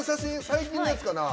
最近のやつかな？